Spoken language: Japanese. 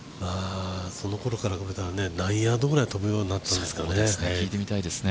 その頃から何ヤードぐらい飛ぶようになったんですかね。